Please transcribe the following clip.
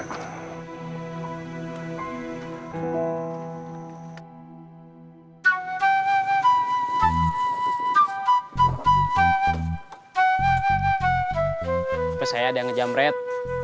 hp saya ada ngejam red